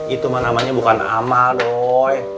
itu mah namanya bukan amal doi